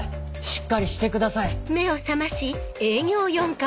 しっかりしてください。